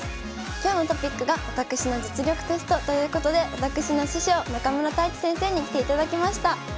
今日のトピックが私の実力テストということで私の師匠中村太地先生に来ていただきました。